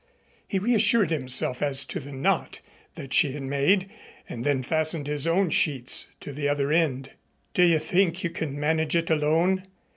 He reassured himself as to the knot that she had made and then fastened his own sheets to the other end. "Do you think you can manage it alone?